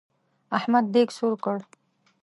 احمد دېګ سور کړ.